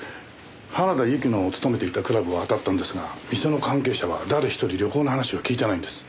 原田由紀の勤めていたクラブを当たったんですが店の関係者は誰一人旅行の話は聞いてないんです。